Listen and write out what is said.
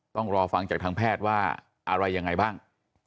ต้องรอฟังจากทางแพทย์ว่าอะไรยังไงบ้าง